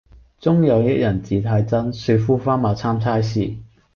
中有一人字太真，雪膚花貌參差是。